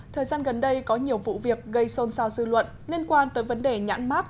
thời gian gần đây có nhiều vụ việc gây xôn xao dư luận liên quan tới vấn đề nhãn mát